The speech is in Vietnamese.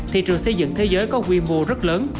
thị trường xây dựng thế giới có quy mô rất lớn